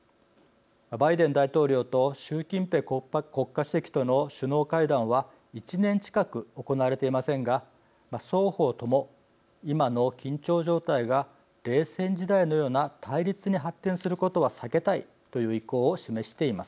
バイデン大統領と習近平国家主席との首脳会談は１年近く行われていませんが双方とも今の緊張状態が冷戦時代のような対立に発展することは避けたいという意向を示しています。